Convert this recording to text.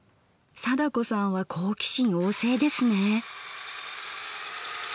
貞子さんは好奇心旺盛ですね。